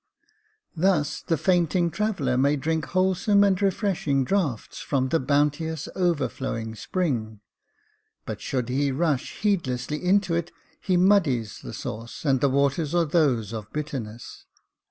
Thus, the fainting traveller may drink wholesome and refreshing draughts from the bounteous, overflowing spring ; but should he rush heed lessly into it, he muddies the source, and the waters are those of bitterness.